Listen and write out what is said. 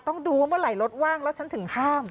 ต้องดูว่าเวลารถว่างแล้วรถถึงข้าม